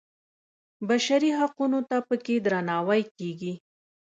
بشري حقونو ته په کې درناوی کېږي.